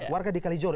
warga di kalijoro